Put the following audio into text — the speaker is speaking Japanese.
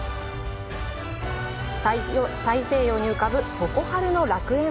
大西洋に浮かぶ常春の楽園。